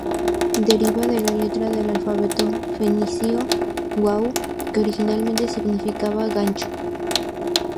Deriva de la letra del alfabeto fenicio wau, que originalmente significaba "gancho".